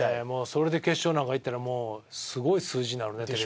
それで決勝なんかいったらもうすごい数字になるね。